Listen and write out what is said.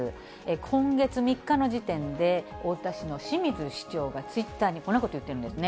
今月３日の時点で、太田市の清水市長がツイッターにこんなこと言ってるんですね。